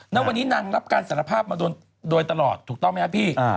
แล้ววันนี้นางรับการสารภาพมาโดยตลอดถูกต้องไหมครับพี่